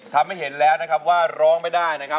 ทำให้เห็นแล้วนะครับว่าร้องไม่ได้นะครับ